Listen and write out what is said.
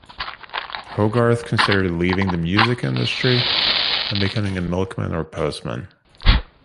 Hogarth considered leaving the music industry and becoming a milkman or postman.